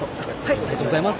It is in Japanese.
ありがとうございます。